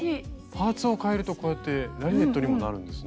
パーツを替えるとこうやってラリエットにもなるんですね。